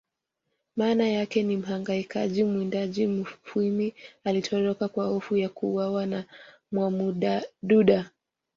maana yake ni mhangaikaji mwindaji Mufwimi alitoroka kwa hofu ya kuuawa na mwamududa